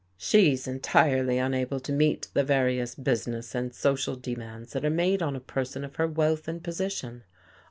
She's entirely unable to meet the various business and social demands that are made on a person of her wealth and position.